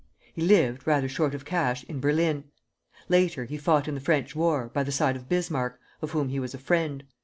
He lived, rather short of cash, in Berlin; later, he fought in the French war, by the side of Bismarck, of whom he was a friend.